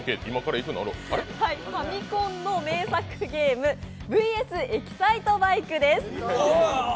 ファミコンの名作ゲーム「ＶＳ．エキサイトバイク」です。